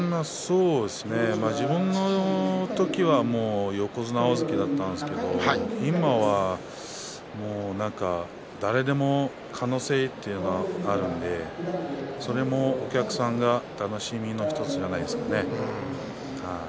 自分の時は横綱大関だったんですけど、今は誰でも可能性というのがあるのでそれもお客さんの楽しみの１つじゃないですかね。